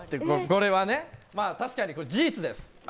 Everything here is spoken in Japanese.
これはねまあ確かに事実です。